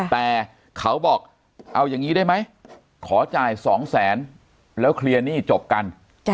แต่เขาบอกเอาอย่างนี้ได้ไหมขอจ่าย๒แสนแล้วเคลียร์หนี้จบกัน